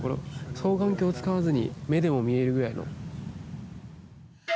双眼鏡を使わずに目でも見えるぐらいの。